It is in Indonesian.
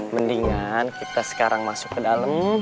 mendingan kita sekarang masuk ke dalam